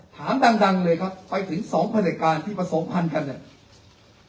ถามดังเลยครับไปถึงสองผลิตการที่ผสมพันธุ์กันเนี่ย